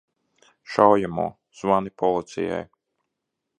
Šaujamo! Zvani policijai!